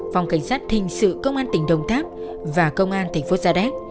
phòng cảnh sát thình sự công an tỉnh đồng tháp và công an tỉnh phố sa đéc